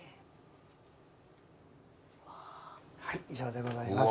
はい以上でございます。